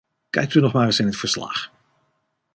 Kijkt u nog maar eens in het verslag.